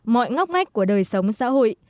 mọi ngóc ngách của đời sống xã hội